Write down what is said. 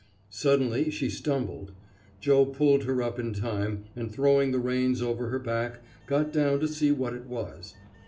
Suddenly she stumbled. Joe pulled her up in time, and throwing the reins over her back, got down to see what it was.